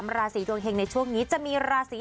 ราศีดวงเห็งในช่วงนี้จะมีราศี